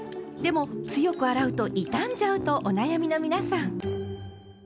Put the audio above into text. でも強く洗うと傷んじゃうとお悩みの皆さん。